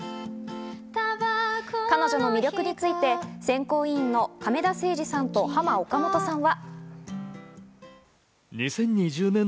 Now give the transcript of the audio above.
彼女の魅力について選考委員の亀田誠治さんとハマ・オカモトさんは。